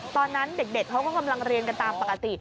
ตอนนั้นเด็กเขาก็กำลังเรียนกันตามปกติ